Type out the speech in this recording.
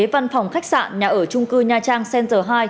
văn phòng khách sạn nhà ở trung cư nha trang center hai